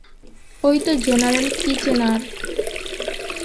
অইতো general Kitchener!